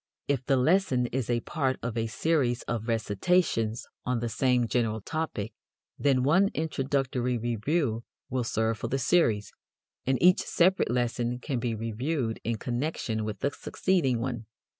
If the lesson is a part of a series of recitations on the same general topic, then one introductory review will serve for the series, and each separate lesson can be reviewed in connection with the succeeding one.